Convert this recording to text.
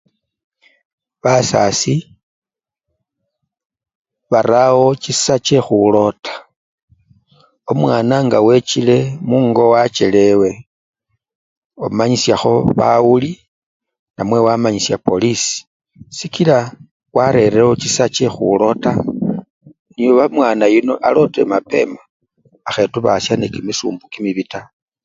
Basasi barawo chisa chekhulota, omwana nga wechile mungo wachelewe, omanyisyakho bawuli namwe wamanyisya polisii sikila warerewo chisa chekhulota niyo omwana yuno alote mapema akhetubasyanga nekimisumbu kimibi taa.